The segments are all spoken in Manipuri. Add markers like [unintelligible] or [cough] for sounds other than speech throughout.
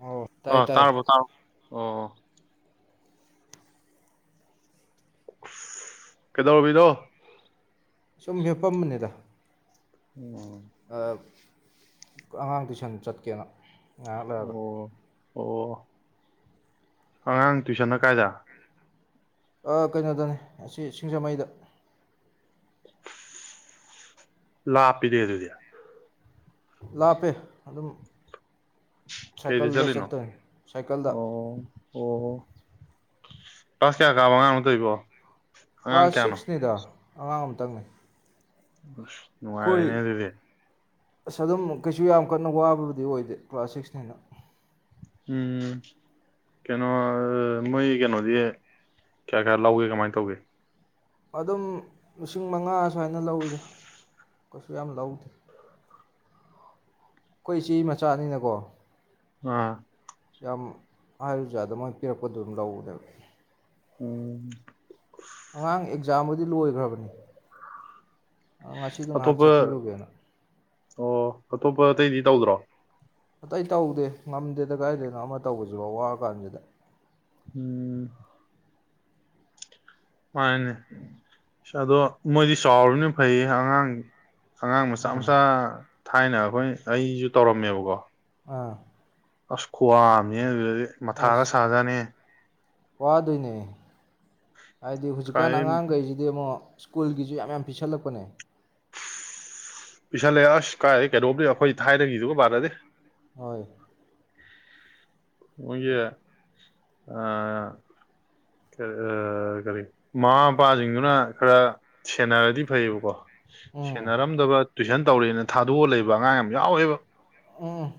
ꯑꯣ ꯑ ꯇꯥꯏ ꯇꯥꯏ ꯇꯔꯕꯨ ꯇꯥ ꯑꯣ ꯀꯩꯗꯧꯔꯕꯅꯣ ꯁꯨꯝ ꯍꯦꯞꯄꯝꯕꯅꯤꯗ ꯑꯣ ꯑꯉꯥꯡ ꯇꯨꯏꯁꯟ ꯆꯠꯀꯦꯅ [unintelligible] ꯑꯣ ꯑꯣ ꯑꯉꯥꯡ ꯇꯨꯏꯁꯟ ꯀꯥꯏꯗ ꯀꯩꯅꯣꯗꯅꯤ ꯑꯁꯤ ꯁꯤꯡꯖꯃꯩꯗ ꯂꯥ ꯄꯄꯤꯗ ꯑꯗꯨꯗꯤ ꯂꯥꯞꯄꯦ ꯑꯗꯨꯝ ꯀꯩꯗꯤ ꯁꯥꯏꯀꯜꯗ ꯆꯂꯤꯅꯣ ꯆꯠꯇꯣꯏꯅꯤ ꯁꯥꯏꯀꯜꯗ ꯑꯣ ꯑꯣ ꯀ꯭ꯂꯥꯁ ꯀꯌꯥ ꯀꯥꯕ ꯑꯉꯥꯡꯅꯣꯇꯧꯕꯣ ꯀ꯭ꯂꯥꯁ ꯁꯤꯛꯁꯅꯤꯗ ꯑꯉꯥꯡ ꯑꯃꯇꯡꯅꯩ ꯁ ꯅꯨꯡꯉꯥꯏꯔꯦꯅꯦ ꯑꯗꯨꯗꯤ ꯑꯁ ꯑꯗꯨꯝ ꯀꯩꯁꯨ ꯌꯥꯝ ꯀꯟꯅ ꯋꯥꯕꯕꯨꯗꯤ ꯑꯣꯏꯗꯦ ꯀ꯭ꯂꯥꯁ ꯁꯤꯛꯁꯅꯦꯅ ꯎꯝ ꯀꯩꯅꯣ ꯃꯣꯏ ꯀꯩꯅꯣꯗꯤ ꯀꯌꯥ ꯀꯌꯥ ꯂꯧꯒꯦ ꯀꯃꯥꯏꯅ ꯇꯧꯒꯦ ꯑꯗꯨꯝ ꯂꯤꯁꯤꯡ ꯃꯉꯥ ꯁꯨꯃꯥꯏꯅ ꯂꯧꯋꯤꯗ ꯀꯩꯁꯨ ꯌꯥꯝ ꯂꯧꯗꯦ ꯑꯩꯈꯣꯏ ꯏꯆꯦ ꯃꯆꯥꯅꯤꯅꯀꯣ ꯑꯥ ꯌꯥꯝ ꯍꯥꯏꯔꯨꯖꯥꯗ ꯃꯣꯏꯅ ꯄꯤꯔꯛꯄꯗꯨ ꯑꯗꯨꯝ ꯂꯧꯅꯦꯕ ꯎꯝ ꯑꯉꯥꯡ ꯑꯦꯛꯖꯥꯝꯕꯨꯗꯤ ꯂꯣꯏꯈ꯭ꯔꯕꯅꯤ ꯉꯁꯤꯗꯣ ꯉꯥꯏꯍꯥꯛ ꯑꯇꯣꯞꯄ ꯆꯠꯄꯤꯔꯨꯒꯦꯅ ꯑꯣ ꯑꯇꯣꯞꯄ ꯑꯇꯩꯗꯤ ꯇꯧꯗ꯭ꯔꯣ ꯑꯇꯩ ꯇꯧꯗꯦ ꯉꯝꯗꯦꯗ ꯀꯥꯏꯗꯅꯣꯝ ꯑꯃ ꯇꯧꯕꯁꯤꯐꯥꯎ ꯋꯥꯔ ꯀꯥꯟꯁꯤꯗ ꯎꯝ ꯃꯥꯅꯦ ꯑꯗꯣ ꯃꯣꯏꯗꯤ ꯆꯥꯎꯔꯕꯅꯤ ꯐꯩ ꯑꯉꯥꯡꯒꯤ ꯑꯉꯥꯡ ꯃꯆꯥ ꯎꯝ ꯃꯆꯥꯥ ꯊꯥꯏꯅ ꯑꯩꯈꯣꯏ ꯑꯩꯁꯨ ꯇꯧꯔꯝꯃꯦꯕꯀꯣ ꯑꯥ ꯑꯁ ꯈꯋꯥꯝ ꯃꯊꯥꯒ ꯁꯥꯖꯅꯦ ꯋꯥ ꯑꯗꯨꯅꯦ ꯍꯥꯏꯗꯤ ꯍꯧꯖꯤꯛꯀꯥꯟ ꯀꯥꯏ ꯑꯉꯥꯡꯈꯩꯁꯤꯗꯤ ꯑꯃꯨꯛ ꯁ꯭ꯀꯨꯜꯒꯤꯁꯨ ꯌꯥꯝ ꯌꯥꯝ ꯄꯤꯁꯜꯂꯛꯄꯅꯦ ꯄꯤꯁꯜꯂꯦ ꯑꯁ ꯀꯥꯏꯔꯦ ꯀꯩꯅꯣꯝꯅꯦ ꯑꯩꯈꯣꯏ ꯊꯥꯏꯅꯒꯤꯤꯗꯨꯒ ꯃꯥꯟꯅꯗꯤ ꯍꯣꯏ ꯍꯧꯒꯤꯦ ꯀꯔꯤ ꯃꯃꯥ ꯃꯄꯥꯁꯤꯡꯗꯨꯅ ꯈꯔ ꯁꯦꯟꯅꯔꯗꯤ ꯐꯩꯌꯦꯕꯀꯣ ꯎꯝ ꯁꯦꯟꯅ ꯑꯔꯝꯕꯥ ꯇꯨꯏꯁꯟ ꯇꯧꯔꯔꯤꯅ ꯊꯥꯗꯣꯛꯑꯂ ꯂꯩꯕ ꯑꯉꯥꯡ ꯌꯥꯝ ꯌꯥꯎꯋꯦꯕ ꯎꯝ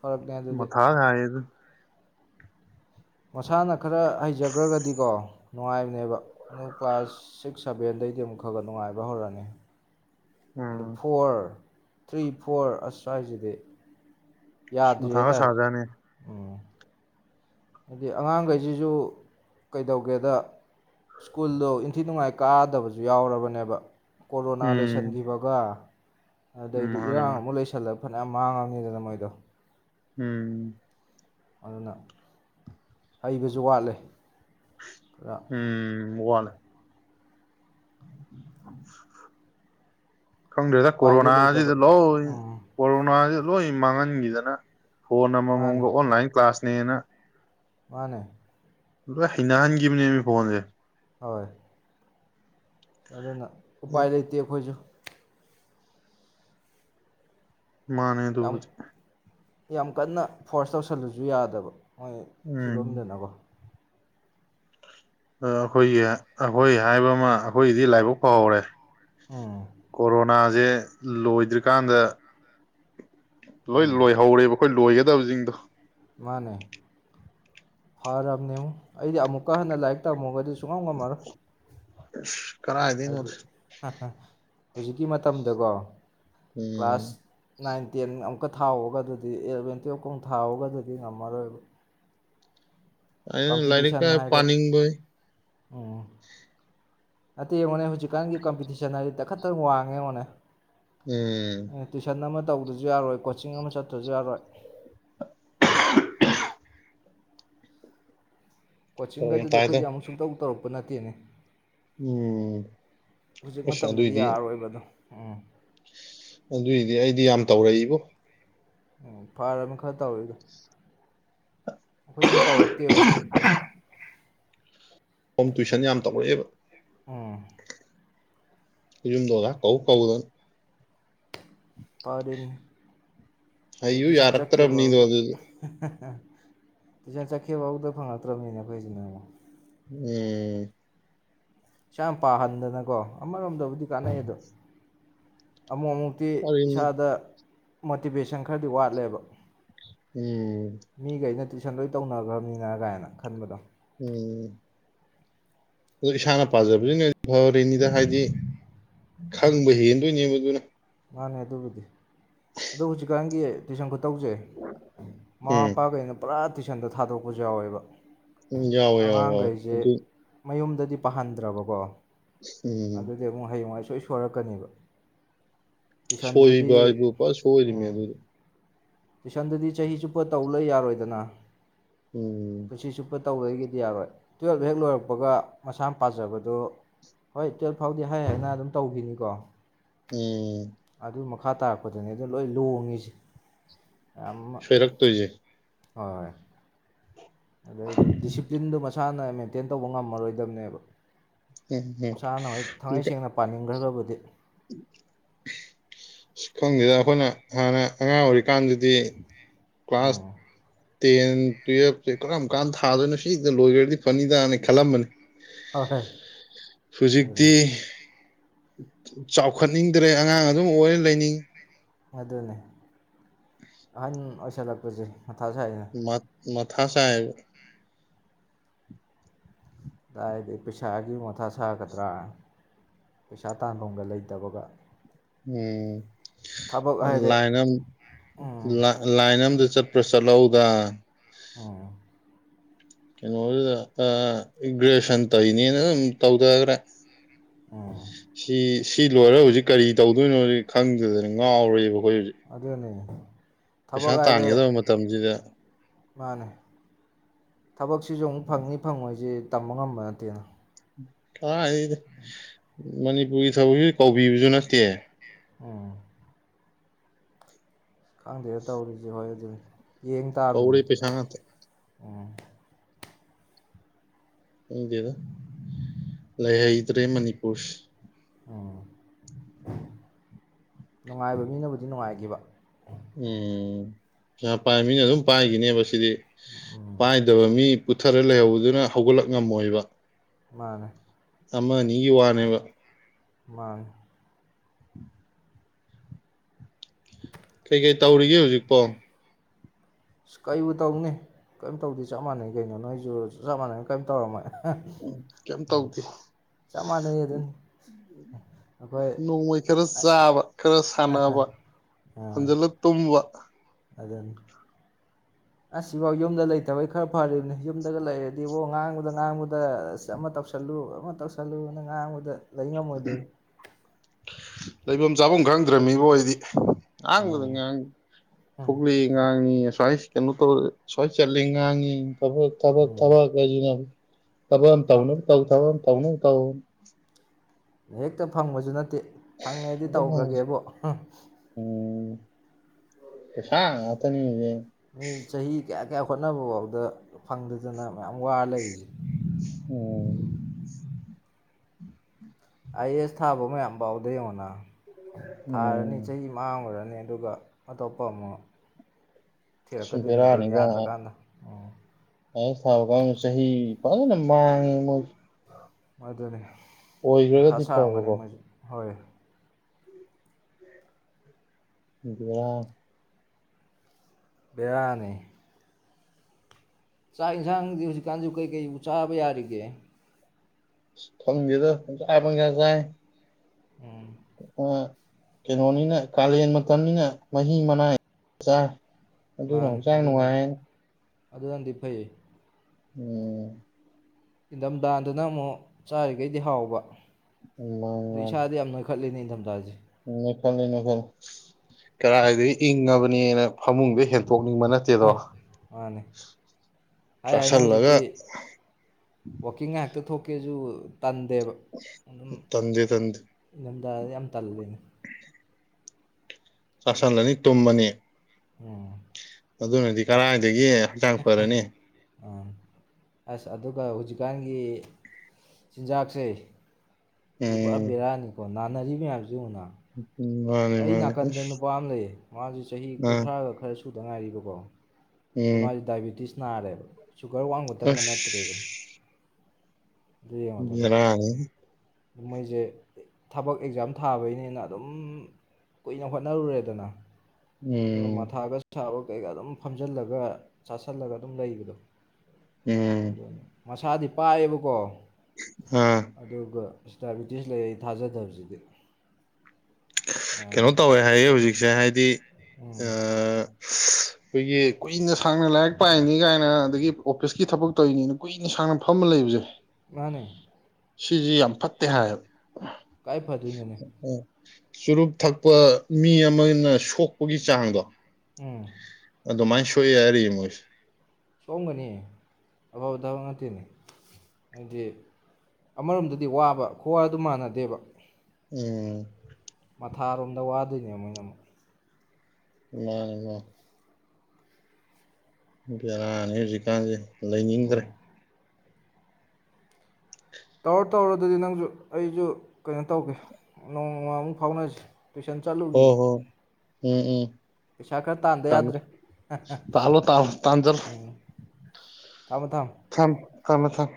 ꯐꯔꯛꯅꯦ ꯑꯗꯨꯗꯤ ꯃꯊꯥ ꯍꯥꯏ ꯃꯁꯥꯅ ꯈꯔ ꯍꯩꯖꯈ꯭ꯔꯒꯗꯤꯀꯣ ꯅꯨꯡꯉꯥꯏꯕꯅꯦꯕ ꯑꯗꯨ ꯀ꯭ꯂꯥꯁ ꯁꯤꯛꯁ ꯁꯚꯦꯟꯗꯩꯗꯤ ꯑꯃꯨꯛ ꯈꯔ ꯈꯔ ꯅꯨꯡꯉꯥꯏꯕ ꯍꯧꯔꯅꯤ ꯑꯗꯨ ꯎꯝ ꯐꯣꯔ ꯊ꯭ꯔꯤ ꯐꯣꯔ ꯑꯁ꯭ꯋꯥꯏꯁꯤꯗꯤ ꯑꯁ ꯌꯥꯗ꯭ꯔꯤ ꯃꯊꯥꯒ ꯍꯥꯏꯇꯥꯔꯦ ꯁꯥꯖꯥꯠꯅꯦ ꯎꯝ ꯍꯥꯏꯗꯤ ꯑꯉꯥꯡꯈꯩꯁꯤꯁꯨ ꯀꯩꯗꯧꯒꯦꯗ ꯁ꯭ꯀꯨꯜꯗꯣ ꯏꯟꯊꯤ ꯅꯨꯡꯉꯥꯏ ꯀꯥꯗꯕꯁꯨ ꯌꯥꯎꯔꯕꯅꯦꯕ ꯀꯣꯔꯣꯅꯥ ꯎꯝ ꯂꯩꯁꯤꯟꯈꯤꯕꯒ ꯑꯗꯩꯗꯤ ꯃꯥꯅꯦ ꯏꯔꯥꯡ ꯃꯥꯅꯦ ꯑꯃ ꯂꯩꯁꯜꯂꯞ ꯐꯅ ꯃꯥꯡꯉꯅꯤꯗꯅ ꯃꯣꯏꯗꯣ ꯎꯝ ꯑꯗꯨꯅ ꯍꯩꯕꯁꯨ ꯋꯥꯠꯂꯦ ꯈꯔ ꯎꯝ ꯋꯥꯅ [unintelligible] ꯈꯪꯗ꯭ꯔꯦꯗ ꯎꯄꯥꯏꯗꯤ ꯂꯩꯇꯕ ꯀꯣꯔꯣꯅꯥꯖꯤꯗ ꯂꯧ ꯎꯝ ꯀꯣꯔꯣꯅꯥꯁꯤ ꯂꯣꯏ ꯃꯥꯡꯍꯟꯒꯤꯗꯅ ꯐꯣꯟ ꯃꯥꯅꯦ ꯑꯃꯃꯝꯒ ꯑꯣꯟꯂꯥꯏꯟ ꯀ꯭ꯂꯥꯁ ꯅꯦꯅ ꯃꯥꯅꯦ ꯂꯣꯢ ꯍꯩꯅꯍꯟꯒꯤꯕꯅꯤꯃꯤ ꯐꯣꯟꯖꯦ ꯍꯣꯏ ꯑꯗꯨꯅ ꯎꯝ, ꯎꯄꯥꯢ ꯂꯩꯇꯦ ꯑꯈꯣꯏꯖꯨ ꯃꯥꯟꯅꯦ ꯌꯥꯝ ꯗꯨꯕꯨꯗꯤ ꯌꯥꯝ ꯀꯟꯅ ꯐꯣꯔ꯭ꯁ ꯇꯧꯁꯜꯂꯖꯨ ꯌꯥꯗꯕ ꯃꯣꯢꯒꯤ ꯎꯝ ꯐꯤꯕꯝꯗꯨꯅꯀꯣ ꯑ ꯑꯩꯈꯣꯏꯒꯤ ꯑꯩꯈꯣꯏ ꯍꯥꯏꯕ ꯑꯃ ꯑꯩꯈꯣꯏꯒꯤꯗꯤ ꯂꯥꯏꯕꯛ ꯐꯍꯧꯔꯦ ꯎꯝ ꯀꯣꯔꯣꯅꯥ ꯖꯦ ꯂꯣꯏꯗ꯭ꯔꯤꯀꯥꯟꯗ ꯂꯣꯏ ꯎꯝ ꯂꯣꯏꯍꯧꯔꯦꯕ ꯑꯈꯣꯏ ꯂꯣꯏ ꯇꯕꯖꯤꯡꯗꯣ ꯃꯥꯅꯦ ꯐꯔꯝꯅꯦꯉꯣ ꯑꯩꯗꯤ ꯑꯃꯨꯛꯀ ꯍꯟꯅ ꯂꯥꯏꯔꯤꯛ ꯇꯝꯃꯣꯒꯗꯤ ꯁꯨ ꯁꯨꯉꯝ ꯉꯝꯃꯔꯣꯢ ꯑꯁ ꯑꯗꯨꯗꯤ [unintelligible] ꯍꯨꯖꯤꯛꯀꯤ ꯃꯇꯝꯗꯀꯣ ꯎꯝ ꯀ꯭ꯂꯥꯁ ꯅꯥꯏꯟ ꯇꯦꯟ ꯑꯃꯨꯛꯀ ꯊꯥꯎꯑꯣꯒꯗꯨꯗꯤ ꯑꯦꯂꯚꯦꯟ ꯇ꯭ꯋꯦꯜꯞꯀ ꯃꯨꯛ ꯊꯥꯎꯑꯣꯒꯗꯨꯗꯤ ꯉꯝꯃꯔꯣꯏꯕ ꯑꯩꯅ ꯂꯥꯏꯔꯤꯛ ꯀꯝꯄꯤꯇꯤꯁꯟ ꯀꯥꯢ ꯍꯥꯏꯔꯦ ꯄꯥꯅꯤꯡꯕꯥꯢ ꯎꯝ ꯅꯠꯇꯦ ꯌꯦꯡꯉꯣꯅꯦ ꯍꯨꯖꯤꯛꯀꯥꯟꯒꯤ ꯀꯝꯄꯤꯇꯤꯁꯟ ꯍꯥꯏꯔꯗꯤ ꯇꯥꯈꯠꯇꯅ ꯋꯥꯡꯉꯦ ꯌꯦꯡꯉꯣꯅꯦ ꯎꯝ ꯇꯧꯗ꯭ꯔꯖꯨ ꯌꯥꯔꯣꯏ ꯀꯣꯆꯤꯡ ꯑꯃ ꯆꯠꯇ꯭ꯔꯖꯨꯨ ꯌꯥꯔꯣꯏ ꯐꯔꯛ ꯌꯥꯝ ꯀꯣꯆꯤꯡꯒꯗꯨꯗꯤ ꯇꯥꯏꯗ ꯑꯩꯈꯣꯏꯗꯤ ꯑꯃꯨꯛ ꯁꯨꯡꯇꯧ ꯇꯧꯔꯛ ꯄ ꯅꯠꯇꯦꯅꯦ ꯎꯝ ꯍꯧꯖꯤꯛ ꯑꯁ ꯃꯇꯝꯗꯗꯤ ꯑꯗꯨꯏꯗꯤ ꯌꯥꯔꯣꯏꯕ ꯑꯗꯣ ꯎꯝ ꯑꯗꯨꯏꯗꯤ ꯑꯩꯗꯤ ꯌꯥꯝ ꯇꯧꯔꯛꯏꯕꯣ ꯎꯝ ꯐꯔꯕꯅꯦ ꯈꯔ ꯇꯧꯔꯛꯢꯗꯨ ꯑꯩꯈꯣꯏꯗꯤ ꯃꯨꯛ ꯇꯧꯔꯛꯇꯦꯕ ꯍꯣꯝ ꯇꯨꯏꯁꯟ ꯌꯥꯝ ꯇꯧꯔꯛꯑꯦꯕ ꯎꯝ ꯏꯔꯨꯝꯗꯣꯗꯥ ꯀꯧ ꯀꯧꯗꯅ ꯄꯔꯤꯝꯅꯤ ꯑꯩ ꯍꯩꯌꯨ ꯇꯤꯁꯟ ꯌꯥꯔꯛꯇ꯭ꯔꯕꯅꯤꯗꯣ ꯆꯠꯀꯦꯕꯥꯎꯗ ꯑꯗꯨꯗ ꯑ ꯇꯨꯏꯁꯟ ꯆꯠꯈꯤꯕꯥꯥꯎꯗ ꯐꯪꯉꯛꯇ꯭ꯔꯕꯅꯤꯅꯦ ꯑꯩꯈꯣꯏꯁꯤꯅꯣꯌꯥ ꯎꯝ ꯁ ꯌꯥꯝ ꯄꯥꯍꯟꯗꯅꯀꯣ ꯑꯃꯔꯣꯝꯗꯕꯨꯗꯤ ꯀꯥꯟꯅꯩ ꯑꯗꯣ ꯑꯃꯨꯛ ꯑꯃꯨꯛꯇꯤ ꯐꯔꯤꯅꯤ ꯏꯁꯥꯗ ꯃꯣꯇꯤꯚꯦꯁꯟ ꯈꯔꯗꯤ ꯋꯥꯠꯂꯦꯕ ꯎꯝ ꯃꯤ ꯒꯩꯅ ꯇꯨꯏ ꯁꯟ ꯂꯣꯏ ꯇꯧꯅꯒꯝꯅꯤꯅ ꯒꯥꯏꯅ ꯈꯟꯕꯗꯣ ꯎꯝ ꯑꯗꯨ ꯏꯁꯥꯅ ꯄꯥꯖꯕꯖꯤꯅ ꯐꯔꯤꯅꯤꯗ ꯍꯥꯏꯗꯤ ꯈꯪꯕ ꯍꯦꯟꯗꯣꯏꯅꯦꯕ ꯑꯗꯨꯅ ꯃꯥꯅꯦ ꯑꯗꯨꯕꯨꯗꯤ ꯑꯗꯣ ꯍꯧꯖꯤꯛꯀꯥꯟꯒꯤ ꯇꯨꯏꯁꯟ ꯈꯨꯠ ꯇꯧꯖꯩ ꯃꯃꯥ ꯎꯝ ꯃꯄꯥꯒꯩꯅ ꯄꯨꯔꯥ ꯇꯨꯏꯁꯟꯗ ꯊꯥꯗꯣꯛꯄꯖꯨ ꯌꯥꯎꯋꯦꯕ ꯎꯝ ꯌꯥꯎꯋꯦ ꯌꯥꯎꯋꯦ ꯌꯥꯎꯑꯣ ꯑꯗꯨ ꯇꯤ ꯄꯥꯍꯟꯗ꯭ꯔꯕꯀꯣ ꯎꯝ ꯑꯗꯨꯗꯤ ꯑꯃꯨꯛ ꯍꯌꯦꯡꯋꯥꯏ ꯁꯣꯏ ꯁꯣꯏꯔꯛꯀꯅꯦꯕ ꯇꯨꯏꯁꯟꯗꯨꯗꯤ ꯁꯣꯏꯔꯤꯕ ꯍꯥꯏꯕꯨꯄꯥ ꯁꯣꯏꯔꯤꯝꯅꯦ ꯎꯝ ꯑꯗꯨꯗꯤ ꯇꯨꯏꯁꯟꯗꯨꯗꯤ ꯆꯍꯤ ꯆꯨꯞꯄ ꯇꯧ ꯂꯩ ꯌꯥꯔꯣꯏꯗꯅ ꯎꯝ ꯇꯧꯔꯣꯏꯒꯤꯗꯤ ꯌꯥꯔꯣꯏ ꯇꯨꯌꯦꯜꯕ ꯍꯦꯛ ꯂꯣꯏꯔꯛꯄꯒ ꯃꯁꯥꯅ ꯄꯥꯖꯕꯗꯨ ꯍꯣꯏ ꯇꯨꯌꯦꯜꯕ ꯐꯥꯎꯗꯤ ꯍꯥꯏ ꯍꯥꯏꯅ ꯑꯗꯨꯝ ꯇꯧꯒꯤꯅꯤꯀꯣ ꯎꯝ ꯃꯈꯥ ꯇꯥꯔꯛꯄꯗꯅꯤ ꯑꯗ ꯂꯣꯏ ꯂꯣꯡꯉꯤꯁꯦ ꯌꯥꯝ ꯑꯃ ꯁꯣꯏꯔꯛ ꯇꯨꯏꯍꯦ ꯍꯣꯏ ꯑꯗꯩꯗꯤ ꯗꯤꯁꯤꯄꯂ꯭ꯤꯟꯗꯣ ꯃꯥ ꯃꯁꯥꯅ ꯃꯦꯟꯇꯦꯟ ꯇꯧꯕ ꯉꯝꯃꯔꯣꯏꯗꯕꯅꯦꯕ ꯎꯝ ꯎꯝ ꯃꯁꯥꯅꯣꯏ ꯊꯃꯩ ꯁꯦꯡꯅ ꯄꯥꯅꯤꯡꯒ꯭ꯔꯒꯕꯨꯗꯤ ꯁꯤ ꯈꯪꯗꯦꯗ ꯑꯩꯈꯣꯏꯅ ꯍꯥꯟꯅ ꯑꯉꯥꯡ ꯑꯣꯏꯔꯤꯀꯥꯟꯗꯗꯤ ꯀ꯭ꯂꯥꯁ ꯑ ꯇꯦꯟ ꯇꯨꯌꯦꯜꯞꯁꯦ ꯀꯔꯝ ꯀꯥꯟꯗ ꯊꯥꯗꯣꯏꯅꯣ ꯁꯤꯁꯤꯗ ꯂꯣꯏꯈ꯭ꯔꯗꯤ ꯐꯅꯤꯗꯅꯤ ꯈꯜꯂꯝꯕꯅꯤ ꯍꯣꯏ ꯍꯣꯏ ꯍꯧꯖꯤꯛꯇꯤ ꯆꯥꯎꯈꯠꯅꯤꯡꯗ꯭ꯔꯦ ꯑꯉꯥꯡ ꯑꯗꯨꯝ ꯑꯣꯏ ꯂꯩꯅꯤꯡꯉ ꯑꯗꯨꯅꯦ ꯑꯍꯟ ꯑꯣꯏꯁꯜꯂꯛꯄꯁꯦ ꯃꯊꯁꯨ ꯍꯥꯏꯩꯅ ꯃꯊꯥ ꯁꯥꯍꯦꯕ ꯑꯗꯨꯗꯥꯏꯗꯤ ꯄꯩꯁꯥꯒꯤ ꯃꯣꯟꯊꯥ ꯁꯥꯒꯗ꯭ꯔꯥ ꯄꯩꯁꯥ ꯇꯥꯟꯐꯝꯒ ꯂꯩꯇꯕꯒ ꯊꯕꯛ ꯎꯝ ꯍꯥꯏꯔꯦ ꯂꯥꯏꯟ ꯑꯃ ꯎꯝ ꯂꯥꯏꯟ ꯑꯃꯗ ꯆꯠ ꯄ꯭ꯔ ꯆꯂꯥꯎꯒ ꯑꯣ ꯀꯩꯅꯣꯗ ꯏꯒ꯭ꯔꯦꯖꯦꯁꯟ ꯇꯧꯏꯅꯦꯅ ꯁꯨꯝ ꯇꯧꯊꯈ꯭ꯔꯦ ꯎꯝ ꯁꯤ ꯁꯤ ꯂꯣꯏꯔꯦ ꯍꯧꯖꯤꯛ ꯀꯔꯤ ꯇꯧꯗꯣꯏꯅꯣꯖꯤ ꯈꯪꯗꯗꯅ ꯉꯥꯎꯔꯣꯏꯦꯕꯀꯣ ꯑꯗꯨꯗ ꯑꯅꯦ ꯄꯩꯁꯥ ꯇꯥꯟꯒꯗꯕ ꯃꯇꯝꯁꯤꯗ ꯃꯥꯅꯦ ꯊꯕꯛꯁꯤꯁꯨ ꯑꯃꯨꯛ ꯐꯪꯅꯤ ꯐꯪꯉꯣꯏꯁꯦ ꯇꯝꯕ ꯉꯝꯕ ꯅꯠꯇꯦꯅ [unintelligible] ꯥꯏ ꯃꯅꯤꯄꯨꯔꯒꯤ ꯊꯕꯛꯁꯤ ꯀꯧꯕꯤꯕꯁꯨ ꯅꯠꯇꯦ ꯎꯝ ꯈꯪꯗꯦꯅ ꯇꯧꯔꯤꯁꯦ ꯍꯣꯏ ꯑꯗꯨꯅꯤ ꯊꯧꯔꯤ ꯄꯆꯥ ꯑꯣ ꯎꯗꯦꯗ ꯂꯩ ꯍꯩꯇ꯭ꯔꯦ ꯃꯅꯤꯄꯨꯔ ꯎꯝ ꯎ ꯅꯨꯡꯉꯥꯏꯕ ꯃꯤꯅꯕꯨꯗꯤ ꯅꯨꯡꯉꯥꯏꯈꯤꯕ ꯎꯝ ꯄꯩꯁꯥ ꯄꯥꯏ ꯃꯤꯅ ꯑꯗꯨꯝ ꯄꯥꯏꯈꯤꯅꯦꯕ ꯁꯤꯗꯤ ꯎꯝ ꯄꯥꯏꯗꯕ ꯃꯤ ꯄꯨꯊꯔ ꯂꯩꯍꯧꯕꯗꯨꯅ ꯍꯧꯒꯠꯂꯛ ꯉꯝꯃꯣꯏꯕ ꯃꯥꯅꯦ ꯑꯃ ꯑꯅꯤꯒꯤ ꯋꯥꯅꯦꯕ ꯃ ꯀꯩ ꯀꯩ ꯇꯧꯔꯤꯒꯦ ꯍꯧꯖꯤꯛꯄꯣ ꯑꯁ ꯀꯩꯨ ꯇꯧꯅꯤ ꯀꯔꯤꯝ ꯇꯧꯗꯤ ꯆꯞ ꯃꯥꯟꯅꯩ ꯀꯩꯅꯣ ꯅꯣꯏꯁꯨ ꯆꯞ ꯃꯥꯟꯅꯩꯅ ꯀꯩꯝ ꯇꯧꯔꯝꯃꯦ ꯎꯝ ꯀꯩꯝ ꯇꯧꯗꯦ ꯆꯞ ꯃꯥꯟꯅꯩ ꯑꯗꯨꯅꯤ ꯑꯩꯈꯣꯏ ꯅꯣꯡꯃꯩ ꯈꯔ ꯆꯥꯕ ꯈꯔ ꯁꯥꯟꯅꯕ ꯑꯥ ꯍꯟꯖꯤꯜꯂ ꯇꯨꯝꯕ ꯑꯗꯨꯅꯤ ꯑꯁꯤꯐꯥꯎ ꯌꯨꯝꯗ ꯂꯩꯇꯕꯩ ꯈꯔ ꯐꯔꯤꯕꯅꯤ ꯌꯨꯝꯗꯒ ꯂꯩꯔꯗꯤꯕꯣ ꯉꯥꯡꯕꯗ ꯉꯥꯡꯕꯗ ꯑꯁ ꯑꯃ ꯇꯧꯁꯜꯂꯨ ꯑꯃ ꯇꯧꯁꯜꯂꯨꯅ ꯉꯥꯡꯕꯗ ꯂꯩ ꯉꯝꯃꯣꯏꯗꯣꯏ ꯂꯩꯐꯝ ꯆꯥꯐꯝ ꯈꯪꯗ꯭ꯔꯕꯃꯤꯕ ꯍꯣꯏꯗꯤ ꯉꯥꯡꯕꯗꯣ ꯎꯝ ꯉꯥꯡ ꯎꯝ ꯊꯣꯛꯂꯛ ꯉꯥꯡꯉ ꯁ꯭ꯋꯥꯏ ꯀꯩꯅꯣ ꯇꯧꯔꯦ ꯁ꯭ꯋꯥꯏ ꯆꯠꯂꯦ ꯉꯥꯡꯉꯤ ꯇꯕ ꯇꯕ ꯎꯝ ꯇꯕ ꯀꯖꯅꯕ ꯇꯕ ꯑꯟ ꯇꯧꯅ ꯇꯧ ꯊꯥꯎ ꯑꯟ ꯇꯧꯅ ꯇꯧ ꯍꯦꯛꯇ ꯐꯪꯕꯁꯨ ꯅꯠ ꯐꯪꯉꯦꯗꯤ ꯑꯗꯨꯝ ꯇꯧꯈ꯭ꯔꯒꯦꯕꯣ꯫ ꯄꯩꯁꯥ ꯉꯛꯇꯅꯤ ꯍꯧꯖꯤꯛ꯫ ꯆꯍꯤ ꯀꯌꯥ꯫ ꯀꯌꯥ ꯍꯣꯠꯅꯕꯐꯥꯎꯗ ꯐꯪꯗꯗꯅ꯫ ꯌꯥꯝ ꯋꯥ ꯂꯩꯔꯤꯁꯦ꯫ ꯎꯝ꯫ ꯑꯥꯏꯑꯦꯁ ꯊꯥꯕ ꯃꯌꯥꯝ ꯐꯥꯎꯗ ꯌꯦꯡꯉꯣꯅ꯫ ꯊꯥꯔꯅꯤ ꯆꯍꯤ ꯃꯥꯡꯉꯨꯔꯥ ꯅꯤ ꯑꯗꯨꯒ ꯑꯇꯣꯞꯄ ꯑꯃꯨꯛ꯫ ꯊꯤꯔꯛꯀꯗꯣꯏꯅꯤ ꯗꯨꯅꯤ ꯌꯥꯗ꯭ꯔꯀꯥꯟꯗ ꯫ ꯑꯥꯏꯑꯦꯁ ꯊꯥꯕꯀꯥꯡꯒꯨ ꯆꯍꯤ ꯐꯖꯟꯅ ꯃꯥꯡꯉꯦ ꯃꯣꯏꯖꯤ꯫ ꯑꯗꯨꯅꯦ꯫ ꯃꯊꯥ ꯁꯥꯔꯝꯒꯅꯤ ꯃꯣꯏꯁꯨ ꯍꯣꯏ꯫ ꯕꯦꯔꯅꯦ꯫ ꯕꯦꯔꯅꯦ꯫ ꯆꯥꯛ ꯌꯦꯟꯁꯥꯡꯗꯤ ꯍꯧꯖꯤꯛꯀꯥꯟꯁꯤꯕꯨ ꯀꯩꯀꯩ ꯆꯥꯕ ꯌꯥꯔꯤꯒꯦ꯫ ꯈꯪꯒꯦꯗ ꯄꯨꯡꯆꯥ ꯄꯨꯡꯆꯥ ꯆꯥꯏ꯫ ꯎꯝ꯫ ꯀꯩꯅꯣꯅꯤꯅ ꯀꯥꯂꯦꯟ ꯃꯇꯝꯅꯤꯅ ꯃꯍꯤ ꯃꯅꯥꯏ ꯆꯥꯢ꯫ ꯑꯗꯨꯅ ꯃꯥꯅꯤ ꯍꯛꯆꯥꯡ ꯑꯗꯨꯅꯗꯤ ꯅꯨꯡꯉꯥꯏꯌꯦꯅ꯫ ꯑꯗꯨꯅꯗꯤ ꯐꯩ꯫ ꯎꯝ꯫ ꯏꯪꯊꯝꯊꯥꯗꯅ ꯑꯃꯨꯛ ꯆꯥꯔꯤꯈꯩꯗꯤ ꯍꯥꯎꯕ꯫ ꯑꯗꯨ ꯏꯁꯥꯗꯤ ꯌꯥꯝꯅꯈꯠꯂꯤꯅꯦ꯫ ꯏꯪꯗꯝꯊꯥ ꯁꯦ꯫ [unintelligible] ꯀꯔꯥꯏꯗꯩ ꯏꯪꯉꯕꯅꯦꯅ ꯐꯃꯨꯡꯗꯩ ꯍꯦꯟ ꯗꯣꯛꯅꯤꯡꯕ ꯅꯠꯇꯦꯗꯣ ꯃꯥꯅꯤ ꯍꯥꯏ ꯍꯥꯏꯅ ꯆꯥꯁꯤꯜꯂꯒ꯫ ꯍꯧꯖꯤꯛꯇꯤ ꯀꯦꯁꯨꯨ꯫ ꯇꯟꯗꯦ ꯇꯟꯗꯦ꯫ ꯗ ꯌꯥꯝ ꯇꯜꯂꯦꯅꯦ꯫ ꯆꯁꯟꯂꯅꯤ ꯇꯨꯝꯃꯅꯤ꯫ ꯎꯝ꯫ ꯑꯗꯨꯅꯗꯤ ꯀꯔꯥꯏꯗꯒꯤ꯫ ꯍꯛꯆꯥꯡ ꯐꯔꯥꯅꯤ꯫ ꯑꯥ ꯑꯁ ꯑꯗꯨꯒ ꯍꯧꯖꯤꯛꯀꯥꯟꯒꯤ ꯆꯤꯟꯖꯥꯛꯁꯦ꯫ ꯁꯤ ꯄꯨꯔꯥ ꯎꯝ ꯕꯦꯔꯅꯤꯀꯣ꯫ ꯅꯥꯅꯔꯤ ꯃꯌꯥꯝꯁꯤ ꯌꯦꯡꯉꯣꯅ꯫ ꯃꯥꯅꯦ ꯑꯩ ꯃꯥꯅꯦ ꯅꯥꯀꯟꯗ ꯑꯁ ꯅꯨꯄꯥ ꯑꯃ ꯂꯩꯌꯦ ꯃꯥꯁꯤ ꯆꯍꯤ ꯑꯥ ꯀꯨꯟꯊ꯭ꯔꯥꯒ ꯈꯔ ꯁꯨꯗ ꯉꯥꯏꯔꯤꯕꯀꯣ ꯑꯗꯨꯃ ꯎꯝ ꯗꯥꯏꯕꯤꯇꯤꯁ ꯅꯔꯔ ꯁꯨꯒꯔ ꯋꯥꯡꯕꯇꯪꯒ ꯅꯠꯇ꯭ꯔꯦꯕ ꯑꯗꯨ ꯌꯦꯡꯉꯣꯗꯅ ꯂꯥ ꯃꯣꯏꯁꯦ ꯊꯕꯛ ꯑꯦꯛꯖꯥꯝ ꯊꯥꯕꯩꯅꯤꯅ ꯑꯗꯨꯝ ꯀꯨꯏꯅ ꯍꯣꯠꯅꯔꯨꯔꯦꯗꯅ ꯑꯗꯨꯒ ꯎꯝ ꯃꯊꯥꯒꯕ ꯀꯩꯀꯥ ꯑꯗꯨꯝ ꯐꯝꯖꯤꯜꯂꯒ ꯆꯥꯥꯁꯜꯂꯒ ꯑꯗꯨꯝ ꯂꯩꯕꯗꯣ ꯎꯝ ꯑꯗꯨꯅꯤ ꯃꯁꯥꯗꯤ ꯄꯥꯏꯌꯦꯕꯀꯣ ꯑꯥ ꯑꯗꯨꯒ ꯗꯥꯏꯕꯤꯇꯤꯁ ꯂꯩ ꯑꯩ ꯊꯥꯖꯗꯕꯁꯤꯗꯤ ꯀꯩꯅꯣ ꯇꯧꯋꯦ ꯍꯥꯏꯌꯦ ꯍꯧꯖꯤꯛꯁꯦ ꯍꯥꯏꯗꯤ ꯑ ꯎꯝ ꯑꯩꯈꯣꯏꯒꯤ ꯀꯨꯏꯅ ꯁꯥꯡꯅ ꯂꯥꯏꯔꯤꯛ ꯄꯥꯏꯅꯤ ꯀꯥꯏꯅ ꯑꯗꯒꯤ ꯑꯣꯐꯤꯁꯀꯤ ꯊꯕꯛ ꯇꯧꯔꯤꯅꯤꯅ ꯀꯨꯏꯅ ꯁꯥꯡꯅ ꯐꯝꯃ ꯂꯩꯕꯁꯦ ꯃꯥꯅꯦ ꯁꯤꯁꯤ ꯌꯥꯝ ꯐꯠꯇꯦ ꯍꯥꯏꯌꯦꯕ ꯀꯥꯏ ꯐꯗꯣꯏꯅꯣꯅꯦ ꯆꯨꯔꯨꯞ ꯊꯛꯄ ꯃꯤ ꯑꯃꯅ ꯁꯣꯛꯄꯒꯤ ꯆꯥꯡꯗꯣ ꯎꯝ ꯑꯗꯨꯃꯥꯏꯅ ꯁꯣꯛꯑ ꯍꯥꯏꯔꯤ ꯃꯣꯏꯁꯦ ꯁꯣꯝꯒꯅꯤ ꯑꯐꯕ ꯊꯕꯛ ꯉꯇꯦꯅꯦ ꯍꯥꯏꯗꯤ ꯑꯃꯔꯣꯝꯗꯗꯤ ꯋꯥꯕ ꯈꯨꯋꯥ ꯑꯗꯨ ꯃꯥꯟꯅꯗꯦꯕ ꯎꯝ ꯃꯊꯥꯔꯣꯝꯗ ꯋꯥꯗꯣꯏꯅꯦ ꯃꯣꯏꯅ ꯑꯃꯨꯛ ꯂꯩ ꯌꯥꯔꯅꯤ ꯍꯧꯖꯤ ꯀꯥꯥꯟꯦ ꯂꯩꯅꯤꯡꯗ꯭ꯔꯦ ꯇꯧꯔ ꯇꯧꯔ ꯑꯗꯨꯗꯤ ꯅꯪꯁꯨ ꯑꯩꯁꯨ ꯀꯩꯅꯣ ꯇꯧꯒꯦ ꯅꯣꯡꯃꯃꯃꯨꯛ ꯐꯥꯎꯅꯁꯤ ꯁꯦꯁꯟ ꯍꯣ ꯆꯥꯜꯂꯨꯒꯤ ꯍꯣ ꯎꯝ ꯎꯝ ꯄꯩꯁꯥ ꯈꯔ ꯇꯥꯟꯗ ꯊꯝꯃꯦ ꯌꯥꯗ꯭ꯔꯦ ꯇꯥꯜꯂꯣ ꯇꯥꯜꯂꯣ ꯇꯥꯟꯖꯜꯂꯣ ꯎꯝ ꯊꯥꯝ ꯊꯝ ꯊꯃꯦ ꯊꯪ